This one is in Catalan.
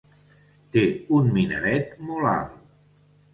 Té un minaret molt alt.